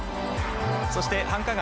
そして、繁華街